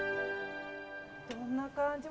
どんな感じ。